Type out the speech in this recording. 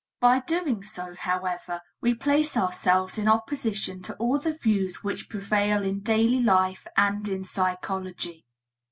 By so doing, however, we place ourselves in opposition to all the views which prevail in daily life and in psychology.